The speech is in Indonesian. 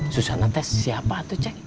susana tes siapa tuh cek